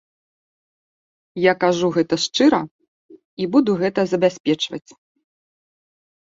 Я кажу гэта шчыра і буду гэта забяспечваць.